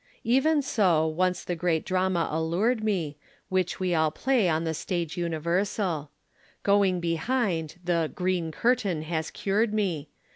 Even so, once the great drama allured me, Which we all play on the stage universal; "Going behind" the "green" curtain has cured me.